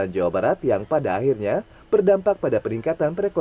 jawa barat dua ribu dua puluh tiga